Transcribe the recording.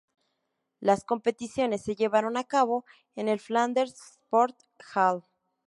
Las competiciones se llevaron a cabo en el Flanders Sport Hall.